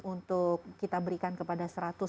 untuk kita berikan kepada